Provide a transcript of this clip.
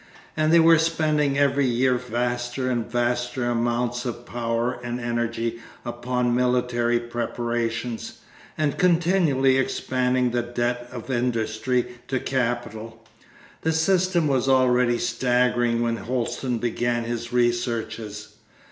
And they were spending every year vaster and vaster amounts of power and energy upon military preparations, and continually expanding the debt of industry to capital. The system was already staggering when Holsten began his researches.